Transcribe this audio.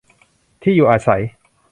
ที่อยู่อาศัย